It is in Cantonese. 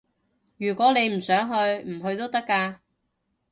如果你唔想去，唔去都得㗎